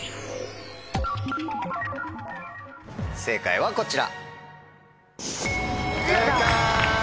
正解はこちら。